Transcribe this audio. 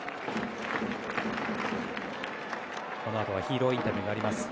このあとはヒーローインタビューがあります。